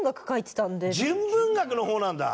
純文学の方なんだ！